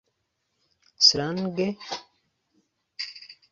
Strange?